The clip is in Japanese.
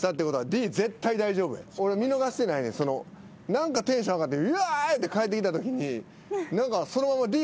何かテンション上がってイェーイって帰ってきたときに。